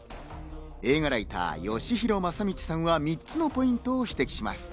映画ライターのよしひろまさみちさんは３つのポイントを指摘します。